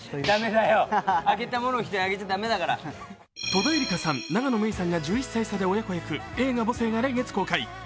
戸田恵梨香さん、永野芽郁さんが１１歳差で親子役映画「母性」が来月公開。